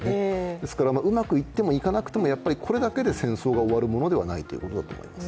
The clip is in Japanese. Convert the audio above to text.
ですからうまくいってもいかなくても、これだけで戦争が終わるということでは無いと思われます。